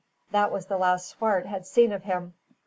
That was the last Swart had seen of him.